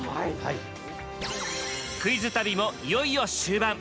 クイズ旅もいよいよ終盤。